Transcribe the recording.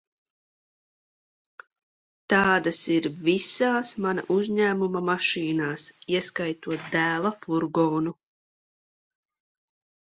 Tādas ir visās mana uzņēmuma mašīnās, ieskaitot dēla furgonu.